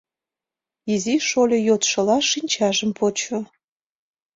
Изи шольо йодшыла шинчажым почо.